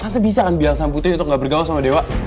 tante bisa kan bilang sama putri untuk nggak bergaul sama dewa